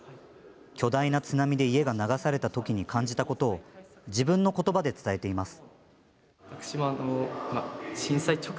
巨大な津波で家が流された時に感じたことを自分の言葉で伝えています。